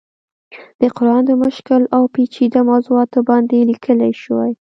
د قرآن د مشکل او پيچيده موضوعاتو باندې ليکلی شوی